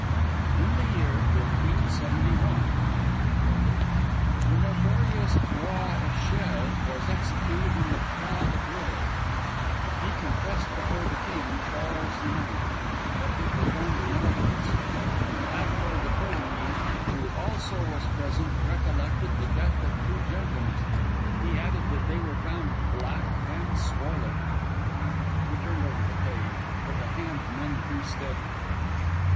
"In the year 1571," it recorded, "the notorious Trois Echelles was executed in the Place de Grève. He confessed before the king, Charles IX.... that he performed marvels.... Admiral de Coligny, who also was present, recollected ... the death of two gentlemen.... He added that they were found black and swollen." He turned over the page, with a hand none too steady.